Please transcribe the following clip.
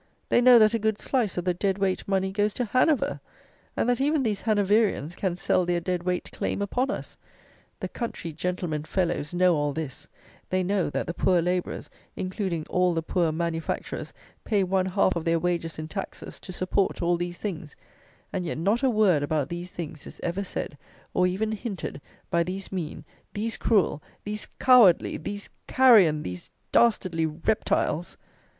They know that a good slice of the dead weight money goes to Hanover; and that even these Hanoverians can sell their dead weight claim upon us. The "country gentlemen" fellows know all this: they know that the poor labourers, including all the poor manufacturers, pay one half of their wages in taxes to support all these things; and yet not a word about these things is ever said, or even hinted, by these mean, these cruel, these cowardly, these carrion, these dastardly reptiles.